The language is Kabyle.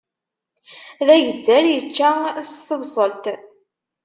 D agezzar, ičča s tebṣelt.